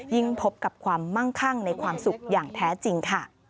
พบกับความมั่งคั่งในความสุขอย่างแท้จริงค่ะ